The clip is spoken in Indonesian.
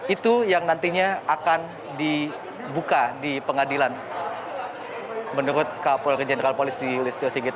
itu yang nantinya akan dibuka di pengadilan menurut kapolri jenderal polisi listio sigit